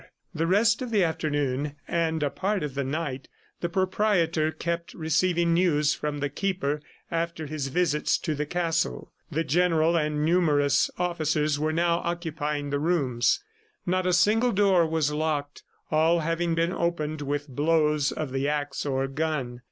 ... The rest of the afternoon and a part of the night, the proprietor kept receiving news from the Keeper after his visits to the castle. The General and numerous officers were now occupying the rooms. Not a single door was locked, all having been opened with blows of the axe or gun.